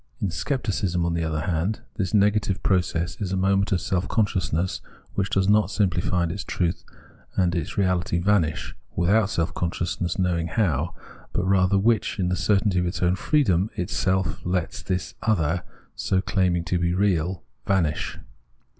In Scepticism, on the other hand, this negative process is a moment of self consciousness, which does not simply find its truth and its reality vanish, without self consciousness knowing how, but rather which, in the certainty of its own freedom, itself lets this other, so claiming to be real, vanish.